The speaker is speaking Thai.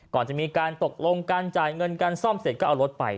ก่อนจะมีการตกลงการจ่ายเงินการซ่อมเสร็จก็เอารถไป